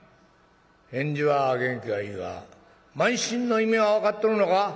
「返事は元気がいいが慢心の意味は分かっとるのか？」。